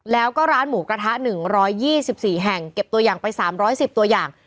แล้วก็ร้านหมูกระทะ๑๒๔แห่งเก็บตัวอย่างไป๓๑๐ตัวอย่าง